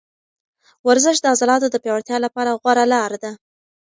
ورزش د عضلاتو د پیاوړتیا لپاره غوره لاره ده.